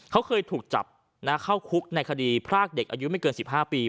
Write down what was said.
เขาเคยถูกจับเข้าคุกในคดีพรากเด็กอายุไม่เกิน๑๕ปี